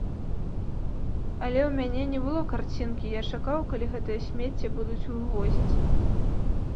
Але ў мяне не было карцінкі, я чакаў, калі гэтае смецце будуць вывозіць.